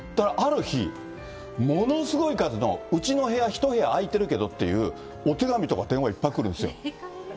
ある日、ものすごい数の、うちの部屋１部屋空いてるけどっていうお手紙とか電話いっぱい来るんですよ。